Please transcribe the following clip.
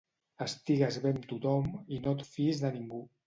Estigues bé amb tothom i no et fiïs de ningú.